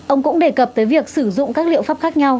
ông cũng đề cập tới việc sử dụng các liệu pháp khác nhau